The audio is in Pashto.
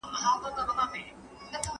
¬ پياز ئې څه و څه کوم، نياز ئې څه و څه کوم.